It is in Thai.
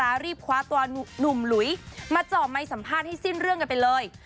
รีบคว้าตัวหนุ่มหลุยมาจ่อไมค์สัมภาษณ์ให้สิ้นเรื่องกันไปเลย